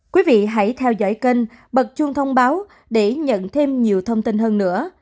quý vị hãy theo dõi kênh bật chuông thông báo để nhận thêm nhiều thông tin hơn nữa